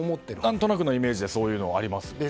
何となくのイメージでそういうのがあります。